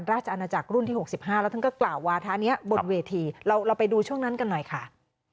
อาณาจักรรุ่นที่๖๕แล้วท่านก็กล่าววาทะนี้บนเวทีเราไปดูช่วงนั้นกันหน่อยค่ะ